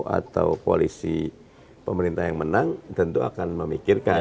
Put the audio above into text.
atau koalisi pemerintah yang menang tentu akan memikirkan